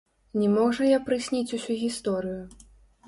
Не мог жа я прысніць усю гісторыю.